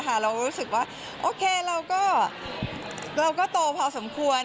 เรารู้สึกว่าโอเคเราก็โตพอสมควร